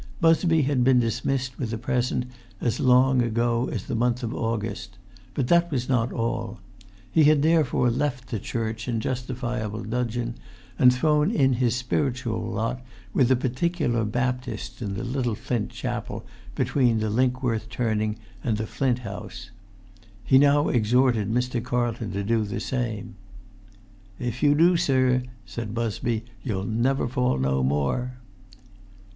Busby had been dismissed with a present, as long ago as the month of August; but that was not all.[Pg 225] He had thereupon left the Church in justifiable dudgeon, and thrown in his spiritual lot with the Particular Baptists in the little flint chapel between the Linkworth turning and the Flint House. He now exhorted Mr. Carlton to do the same. "If you do, sir," said Busby, "you'll never fall no more."